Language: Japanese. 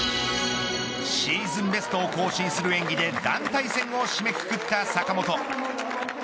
シーズンベストを更新する演技で団体戦を締めくくった坂本。